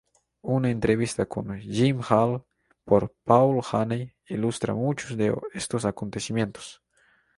Una entrevista con Jim Hall por Paul Haney ilustra muchos de estos acontecimientos.